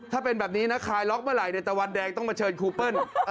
ถ้าเป็นแบบนี้นะคลายล็อกเมื่อไหร่ในตะวันแดงต้องมาเชิญครูเปิ้ล